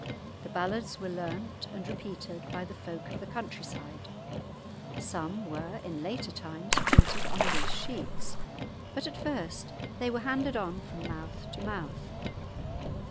The ballads were learnt and repeated by the folk of the country side; some were in later times printed on loose sheets, but at first they were handed on from mouth to mouth.